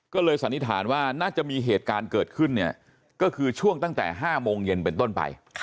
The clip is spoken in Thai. ก็เลยสันนิษฐานว่าน่าจะมีเหตุการณ์เกิดขึ้นเนี่ยก็คือช่วงตั้งแต่๕โมงเย็นเป็นต้นไป